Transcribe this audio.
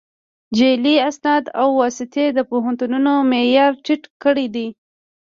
جعلي اسناد او واسطې د پوهنتونونو معیار ټیټ کړی دی